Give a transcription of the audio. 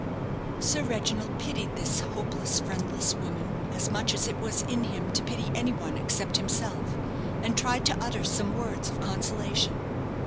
Sir Reginald pitied this hopeless, friendless, woman as much as it was in him to pity any one except himself, and tried to utter some words of consolation.